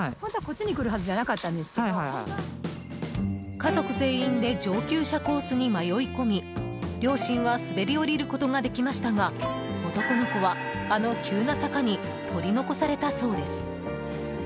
家族全員で上級者コースに迷い込み両親は滑り下りることができましたが男の子は、あの急な坂に取り残されたそうです。